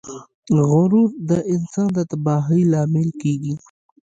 غرور د انسان د تباهۍ لامل کیږي.